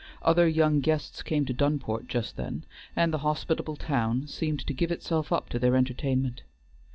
Other young guests came to Dunport just then, and the hospitable town seemed to give itself up to their entertainment.